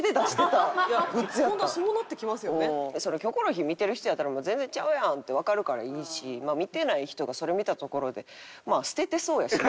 それ『キョコロヒー』見てる人やったら全然ちゃうやん！ってわかるからいいし見てない人がそれ見たところでまあ捨ててそうやし。